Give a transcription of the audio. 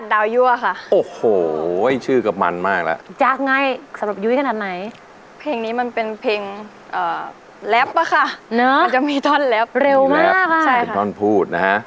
แรปป่ะค่ะเนอะมันจะมีต้นเร็วมากต้นพูดนะฮะ